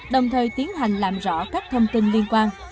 đồng thời tiến hành làm rõ các thông tin liên quan